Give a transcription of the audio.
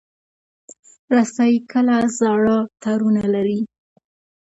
رسۍ کله زاړه تارونه لري.